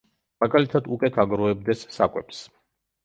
მაგალითად, უკეთ აგროვებდეს საკვებს.